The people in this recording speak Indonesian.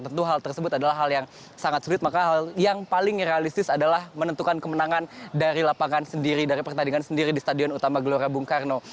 dan jika hal tersebut adalah hal yang sangat sulit maka hal yang paling realistis adalah menentukan kemenangan dari lapangan sendiri dari pertandingan sendiri di stadion utama gelora bung karno